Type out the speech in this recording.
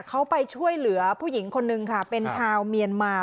เขาไปช่วยเหลือผู้หญิงคนนึงค่ะเป็นชาวเมียนมา